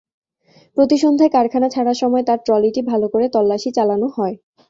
প্রতি সন্ধ্যায় কারখানা ছাড়ার সময় তার ট্রলিটি ভালো করে তল্লাশি চালানো হয়।